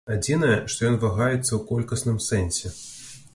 Адзінае, што ён вагаецца ў колькасным сэнсе.